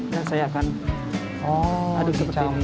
dan saya akan aduk seperti ini